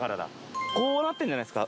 こうなってるんじゃないですか？